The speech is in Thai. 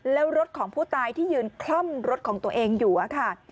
แล้วรถของผู้ตายที่ยืนคล่อมรถของตัวเองอยู่อะค่ะ